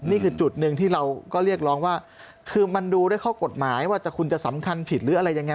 นี่คือจุดหนึ่งที่เราก็เรียกร้องว่าคือมันดูด้วยข้อกฎหมายว่าคุณจะสำคัญผิดหรืออะไรยังไง